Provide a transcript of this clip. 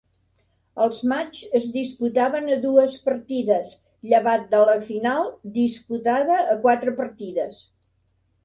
Els matxs es disputaven a dues partides, llevat de la final, disputada a quatre partides.